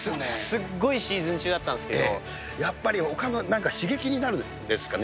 すっごいシーズン中だったんやっぱり、ほかの刺激になるんですかね。